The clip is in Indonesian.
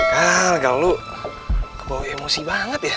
kal kal lo kebawa emosi banget ya